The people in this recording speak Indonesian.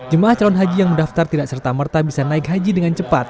jemaah calon haji yang mendaftar tidak serta merta bisa naik haji dengan cepat